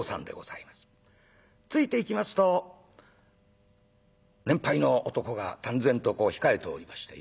ついていきますと年配の男が端然とこう控えておりまして。